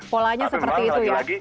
polanya seperti itu ya